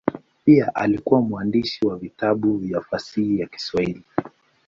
Pia alikuwa mwandishi wa vitabu vya fasihi ya Kiswahili.